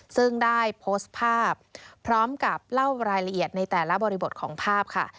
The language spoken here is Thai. ซึ่งได้โพสต์ภาพพร้อมกับเล่ารายละเอียดในแต่ละบริบทของภาพค่ะ